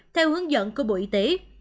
theo hướng dẫn của bộ y tế